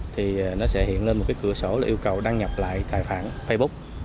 thì nó sẽ hiện lên một cửa sổ yêu cầu đăng nhập lại tài khoản facebook